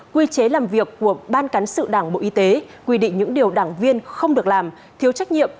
quy chế làm việc của ban cán sự đảng bộ y tế quy định những điều đảng viên không được làm thiếu trách nhiệm